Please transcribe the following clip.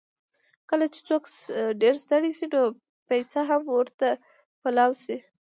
کله چې څوک ډېر ستړی شي، نو پېڅه هم ورته پلاو شي.